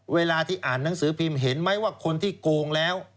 เวลาที่อ่านหนังสือพิมพ์เห็นไหมว่าคนที่โกงแล้ว